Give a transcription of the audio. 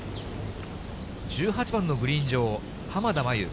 １８番のグリーン上、濱田茉優。